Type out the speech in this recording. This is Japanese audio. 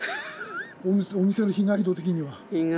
お店の被害度的には？